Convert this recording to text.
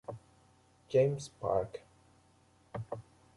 James' Park.